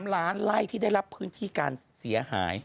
๓ล้านไล่ที่ได้รับพื้นที่การเสียหาย